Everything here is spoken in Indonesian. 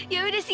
ya udah sini